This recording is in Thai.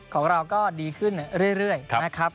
ของเราก็ดีขึ้นเรื่อยนะครับ